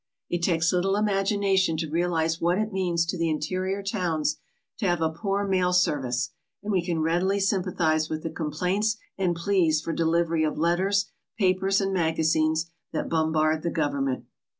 It takes little imagination to realize what it means to the interior towns to have a poor mail service and we can readily sympathize with the complaints and pleas for delivery of letters, papers, and magazines that bombard the Government.